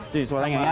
tuh suaranya ini ya